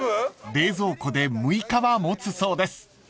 ［冷蔵庫で６日は持つそうです］